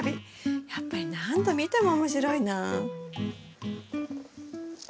やっぱり何度見ても面白いな。